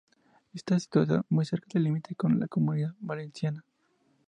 Está situado muy cerca del límite con la Comunidad Valenciana.